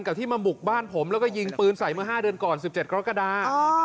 กับที่มาบุกบ้านผมแล้วก็ยิงปืนใส่เมื่อ๕เดือนก่อน๑๗กรกฎา